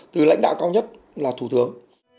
từ lãnh đạo cao nhất là thủ tướng